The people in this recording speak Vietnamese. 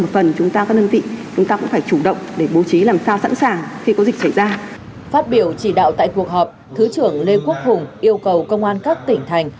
phát biểu chỉ đạo tại cuộc họp thứ trưởng lê quốc hùng yêu cầu công an các tỉnh thành